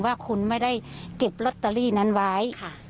ว่าคุณไม่ได้เก็บลอตเตอรี่นั้นไว้